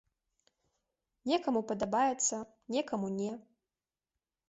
Некаму падабаецца, некаму не.